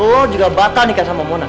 lo juga batal nikah sama mona